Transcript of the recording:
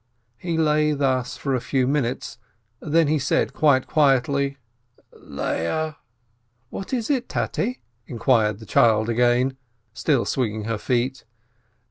He lay thus for a few minutes, then he said quite quietly : "Leah!" "What is it, Tate?" inquired the child again, still swinging her feet.